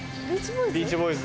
『ビーチボーイズ』？